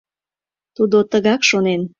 Тудо тыгак шонен!